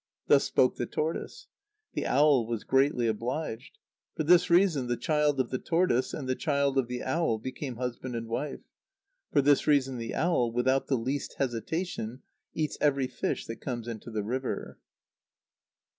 Thus spoke the tortoise. The owl was greatly obliged. For this reason, the child of the tortoise and the child of the owl became husband and wife. For this reason, the owl, without the least hesitation, eats every fish that comes into the river.